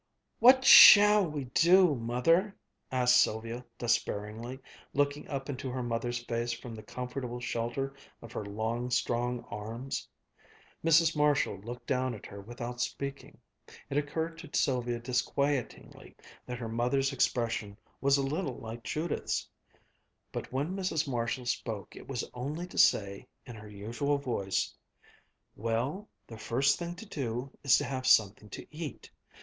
"What shall we do, Mother?" asked Sylvia despairingly, looking up into her mother's face from the comfortable shelter of her long, strong arms. Mrs. Marshall looked down at her without speaking. It occurred to Sylvia disquietingly that her mother's expression was a little like Judith's. But when Mrs. Marshall spoke it was only to say in her usual voice: "Well, the first thing to do is to have something to eat.